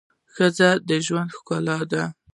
ښځه د ژوند ښکلا ده